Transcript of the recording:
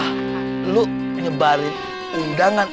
kamu menyebarkan undangan